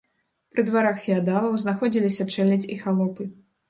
Пры дварах феадалаў знаходзіліся чэлядзь і халопы.